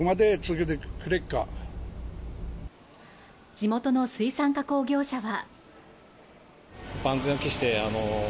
地元の水産加工業者は。